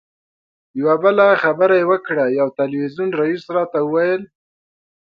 یوه بله خبره یې وکړه یو تلویزیون رییس راته وویل.